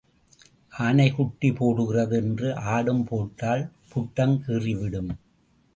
ஆனை குட்டி போடுகிறது என்று ஆடும் போட்டால் புட்டம் கீறி விடும்.